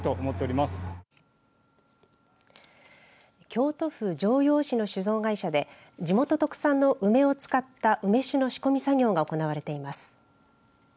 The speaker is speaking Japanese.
京都府城陽市の酒造会社で地元特産の梅を使った梅酒の仕込み作業が行われています。